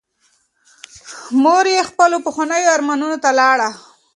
مور یې خپلو پخوانیو ارمانونو ته لاړه.